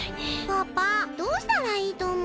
パパどうしたらいいとおもう？